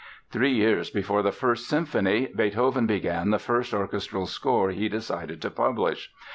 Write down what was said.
Three years before the First Symphony Beethoven began the first orchestral score he decided to publish.